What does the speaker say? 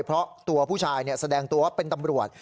เพราะตัวผู้ชายแสดงตัวว่าเป็นตำรวจ